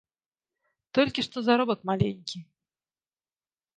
Толькі што заробак маленькі.